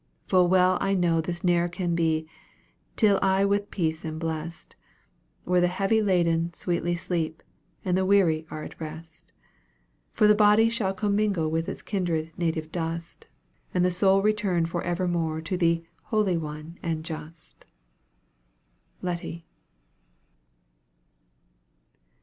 Full well I know this ne'er can be, till I with peace am blest, Where the heavy laden sweetly sleep, and the weary are at rest; For the body shall commingle with its kindred native dust, And the soul return for evermore to the "Holy One and Just." LETTY.